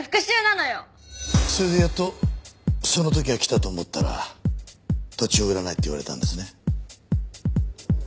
それでやっとその時が来たと思ったら土地を売らないって言われたんですね。